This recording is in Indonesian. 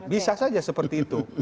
bisa saja seperti itu